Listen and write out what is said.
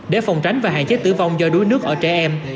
để phòng tránh và hạn chế tử vong do đuối nước ở trẻ em